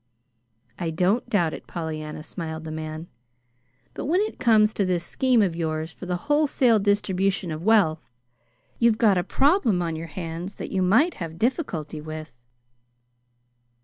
"I don't doubt it, Pollyanna," smiled the man. "But when it comes to this scheme of yours for the wholesale distribution of wealth you've got a problem on your hands that you might have difficulty with."